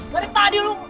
dari tadi lu